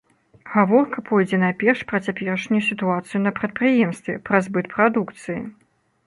Гаворка пойдзе найперш пра цяперашнюю сітуацыю на прадпрыемстве, пра збыт прадукцыі.